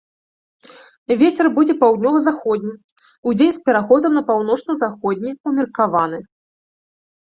Вецер будзе паўднёва-заходні, удзень з пераходам на паўночна-заходні ўмеркаваны.